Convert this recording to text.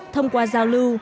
thông qua giao lưu